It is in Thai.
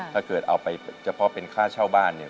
ถ้าเกิดเอาไปเฉพาะเป็นค่าเช่าบ้านเนี่ย